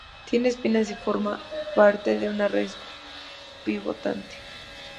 Tiene espinas y se forma desde una raíz pivotante.